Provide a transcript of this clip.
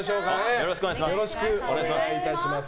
よろしくお願いします。